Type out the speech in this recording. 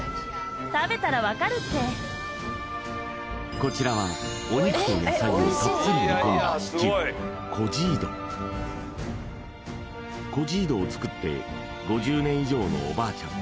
こちらはお肉と野菜をたっぷり煮込んだシチューコジードコジードを作って５０年以上のおばあちゃん